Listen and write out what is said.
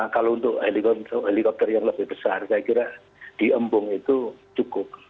kalau untuk helikopter yang lebih besar saya kira di embung itu cukup